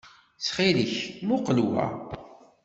Ttxil-k, muqel wa.